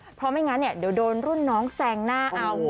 เพราะไม่งั้นเนี่ยเดี๋ยวโดนรุ่นน้องแซงหน้าเอา